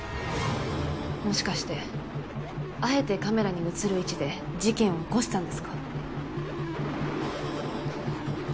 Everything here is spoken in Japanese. もしかしてあえてカメラに映る位置で事件を起こしたんですか？